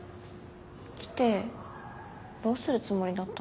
来てどうするつもりだったの？